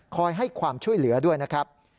ให้ความช่วยเหลือด้วยนะครับ